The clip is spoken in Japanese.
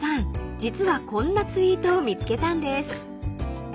実はこんなツイートを見つけたんです］